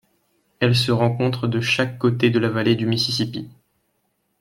Elle se rencontre de chaque côté de la vallée du Mississippi.